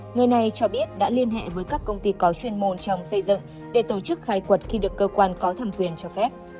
người này cho biết đã liên hệ với các công ty có chuyên môn trong xây dựng để tổ chức khai quật khi được cơ quan có thẩm quyền cho phép